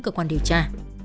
cơ quan điều tra